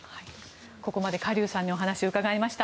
ここまでカ・リュウさんにお話をお伺いしました。